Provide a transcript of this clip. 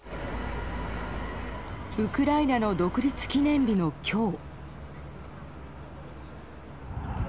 ウクライナの独立記念日の今日。